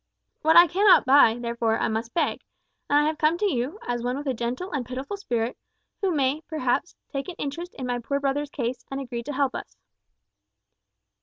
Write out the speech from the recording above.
What I cannot buy, therefore, I must beg; and I have come to you, as one with a gentle and pitiful spirit, who may, perhaps, take an interest in my poor brother's case, and agree to help us."